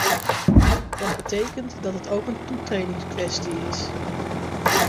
Dat betekent dat het ook een toetredingskwestie is.